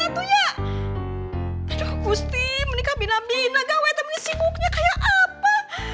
aduh gusti menikah bina bina gak wetam ini sibuknya kayak apa